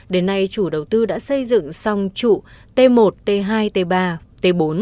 đến nay chủ đầu tư đã xây dựng xong trụ t một t hai t ba t bốn